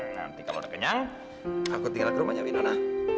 nanti kalau terkenyang aku tinggal di rumahnya winona